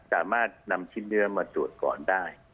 สามารถนำชิ้นเนื้อมาตรวจก่อนได้